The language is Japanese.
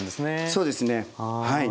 そうですね。